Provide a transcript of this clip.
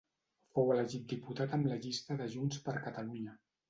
Fou elegit diputat amb la llista de Junts per Catalunya.